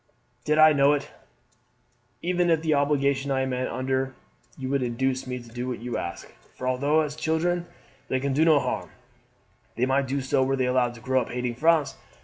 Did I know it, not even the obligation I am under to you would you induce me to do what you ask; for although as children they can do no harm, they might do so were they allowed to grow up hating France.